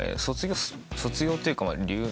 卒業というか留年。